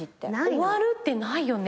終わるってないよね。